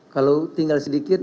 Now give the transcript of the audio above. kalau tinggal sedikit